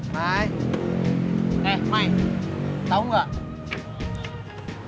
hai eh mai tau gak